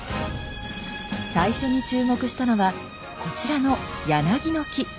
最初に注目したのはこちらの柳の木。